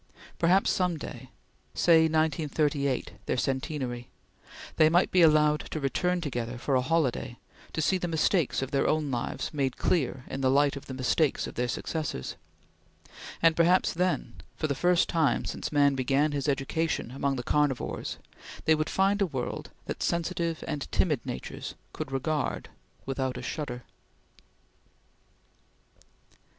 Perhaps some day say 1938, their centenary they might be allowed to return together for a holiday, to see the mistakes of their own lives made clear in the light of the mistakes of their successors; and perhaps then, for the first time since man began his education among the carnivores, they would find a world that sensitive and timid natures could regard without a shudder.